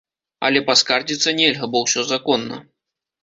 Але паскардзіцца нельга, бо ўсё законна.